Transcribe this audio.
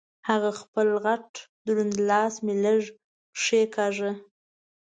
هغه خپل غټ دروند لاس مې لږه کېګاږه.